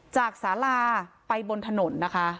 สาลาไปบนถนนนะคะ